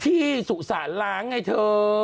ที่สุสะลางให้เธอ